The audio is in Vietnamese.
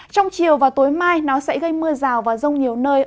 trong chiều và tối mai nó sẽ gây mưa rào và rông nhiều nơi